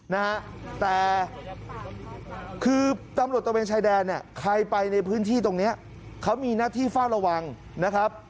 นะฮะแต่คือตำรวจตะเวนชายแดนเนี่ยใครไปในพื้นที่ตรงเนี้ยเขามีหน้าที่เฝ้าระวังนะครับ